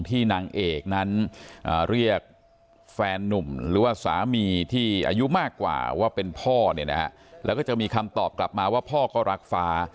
นางเอกนั้นเรียกแฟนนุ่มหรือว่าสามีที่อายุมากกว่าว่าเป็นพ่อเนี่ยนะฮะแล้วก็จะมีคำตอบกลับมาว่าพ่อก็รักฟ้า